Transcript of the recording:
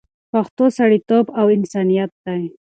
پښتو سړیتوب او انسانیت دی